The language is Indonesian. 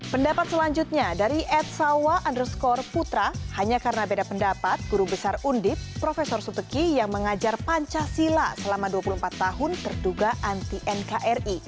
pendapat selanjutnya dari ed sawa underscore putra hanya karena beda pendapat guru besar undip prof subeki yang mengajar pancasila selama dua puluh empat tahun terduga anti nkri